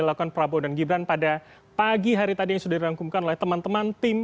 dilakukan prabowo dan gibran pada pagi hari tadi yang sudah dirangkumkan oleh teman teman tim